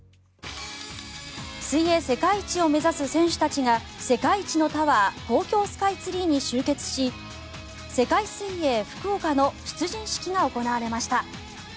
水泳世界一を目指す選手たちが世界一のタワー東京スカイツリーに集結し世界水泳福岡の出陣式が行われました。